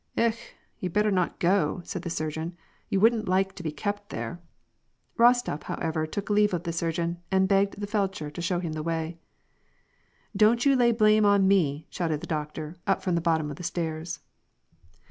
"Ekh! you'd better not go," said the surgeon. "You wouldn't like to be kept here !" Bostof, however, took leave of the surgeon, and begged the feldsher to show him the way. " Don't you lay the blame on me," shouted the doctor, up from the bottom of the stairs.